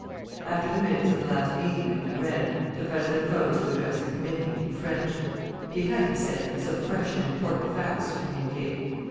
After the minutes of the last meeting had been read, the President rose to address the committee, in French. He had, he said, some fresh and important facts to communicate.